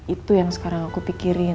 itu yang sekarang aku pikirin